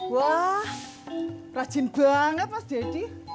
wah rajin banget mas deddy